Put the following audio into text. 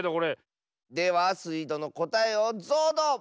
ではスイどのこたえをぞうど！